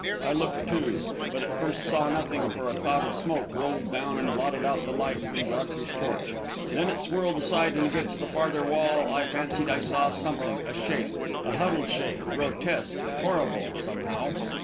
I looked, too, but at first saw nothing, for a cloud of smoke rolled down and blotted out the light from Godfrey's torch. Then it swirled aside, and against the farther wall I fancied I saw something a shape, a huddled shape grotesque horrible, somehow....